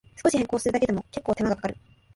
少し変更するだけでも、けっこう手間がかかる